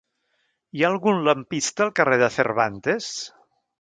Hi ha algun lampista al carrer de Cervantes?